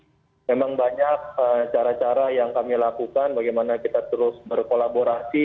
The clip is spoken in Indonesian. jadi memang banyak cara cara yang kami lakukan bagaimana kita terus berkolaborasi